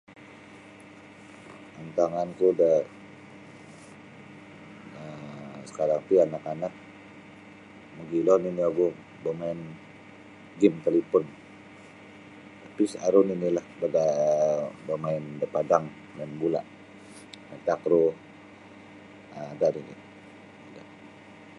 Antanganku da um sakarang ti anak-anak mogilo nini ogu bamain game talipon tapi aru ninilah um bamain da padang bamain bula aru nini main takru ada nini.